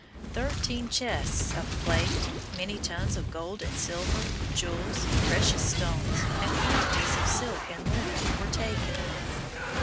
Thirteen chests of plate, many tons of gold and silver, jewels, precious stones, and quantities of silk and linen were taken.